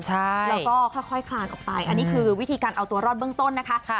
แล้วก็ค่อยคลานออกไปอันนี้คือวิธีการเอาตัวรอดเบื้องต้นนะคะ